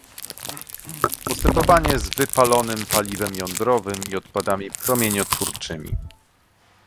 Postępowanie z wypalonym paliwem jądrowym i odpadami promieniotwórczymi